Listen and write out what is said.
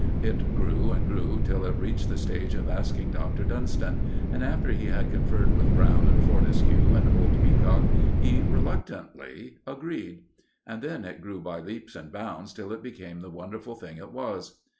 It grew and grew till it reached the stage of asking Dr. Dunston; and after he had conferred with Brown and Fortescue and old Peacock, he reluctantly agreed; and then it grew by leaps and bounds till it became the wonderful thing it was.